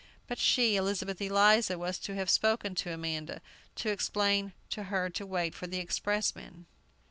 But she, Elizabeth Eliza, was to have spoken to Amanda, to explain to her to wait for the expressman.